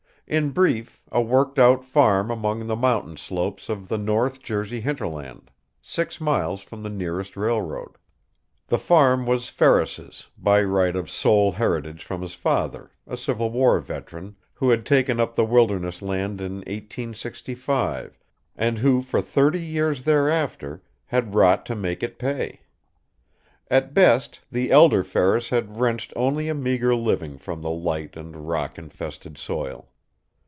In brief, a worked out farm among the mountain slopes of the North Jersey hinterland; six miles from the nearest railroad. The farm was Ferris's, by right of sole heritage from his father, a Civil War veteran, who had taken up the wilderness land in 1865 and who, for thirty years thereafter, had wrought to make it pay. At best the elder Ferris had wrenched only a meager living from the light and rock infested soil.